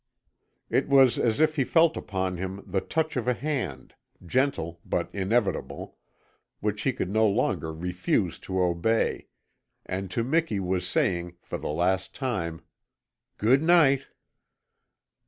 It was as if he felt upon him the touch of a hand, gentle but inevitable, which he could no longer refuse to obey, and to Miki was saying, for the last time: "Good night!"